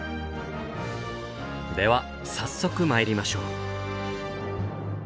では早速参りましょう。